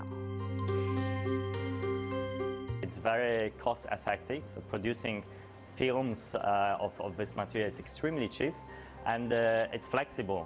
ini sangat berkosongan jadi membuat film dari materi ini sangat murah dan fleksibel